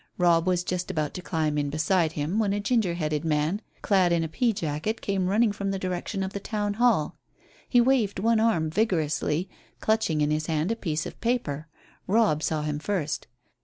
Robb was just about to climb in beside him when a ginger headed man clad in a pea jacket came running from the direction of the Town Hall. He waved one arm vigorously, clutching in his hand a piece of paper. Robb saw him first.